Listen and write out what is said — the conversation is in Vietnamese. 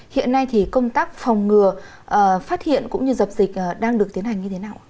hiện nay thì công tác phòng ngừa phát hiện cũng như dập dịch đang được tiến hành như thế nào